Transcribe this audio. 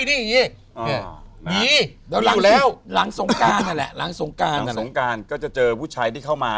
นี่แล้วหลังสงการนั่นแหละหลังสงการก็จะเจอผู้ชายที่เข้ามา